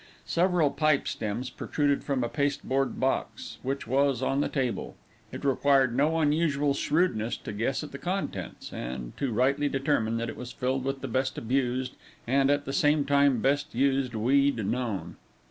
Several pipe stems protruded from a pasteboard box, which was on the table. It required no unusual shrewdness to guess at the contents, and to rightly determine that it was filled with the best abused, and, at the same time, best used weed known.